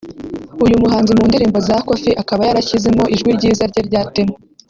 uyu muhanzi mu ndirimbo za Koffi akaba yarashyizemo ijwi ryiza rye rya Tenor